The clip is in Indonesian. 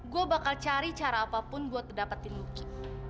gue bakal cari cara apapun buat dapetin lucu